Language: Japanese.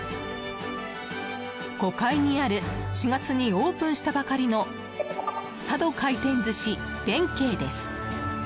５階にある４月にオープンしたばかりの佐渡廻転寿司弁慶です。